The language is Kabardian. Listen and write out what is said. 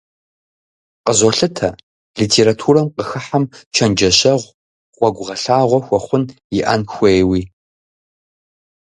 Къызолъытэ, литературэм къыхыхьэм чэнджэщэгъу, гъуэгугъэлъагъуэ хуэхъун иӀэн хуейуи.